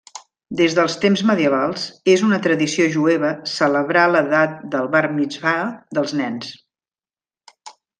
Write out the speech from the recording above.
Des dels temps medievals, és una tradició jueva celebrar l'edat del Bar Mitsvà dels nens.